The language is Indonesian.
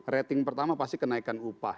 rating pertama pasti kenaikan upah